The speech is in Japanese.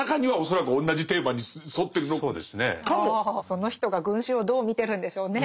その人が群衆をどう見てるんでしょうね。